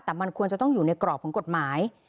แต่มันควรจะต้องอยู่ในกรอบของกฎหมาย